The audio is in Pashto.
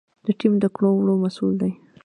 هغه د ټیم د کړو وړو مسؤل دی.